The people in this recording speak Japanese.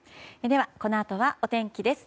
では、このあとはお天気です。